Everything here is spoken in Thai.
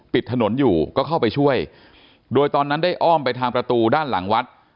ปิดถนนอยู่ก็เข้าไปช่วยโดยตอนนั้นได้อ้อมไปทางประตูด้านหลังวัด